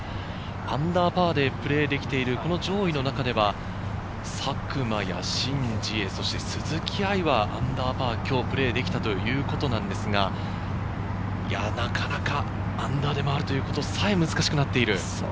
アンダーパーでプレーできている上位の中では佐久間やシン・ジエ、そして鈴木愛はアンダーパーで今日プレーできたということなんですが、なかなかアンダーで回ることさえ、難しくなっている。